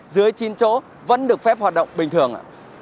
dưới chín chỗ vẫn được phép hoạt động bình thường ạ